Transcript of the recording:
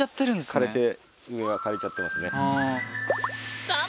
枯れて上は枯れちゃってますね。